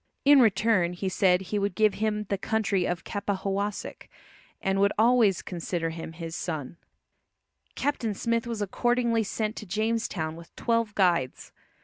In return he said he would give him the country of Capahowosick, and would always consider him his son. Captain Smith was accordingly sent to Jamestown with twelve guides.